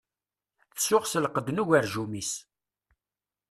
Tsuɣ s lqedd n ugerjum-is.